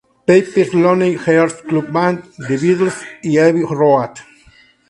Pepper's Lonely Hearts Club Band", "The Beatles" y "Abbey Road".